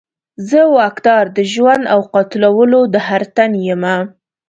زه واکدار د ژوند او قتلولو د هر تن یمه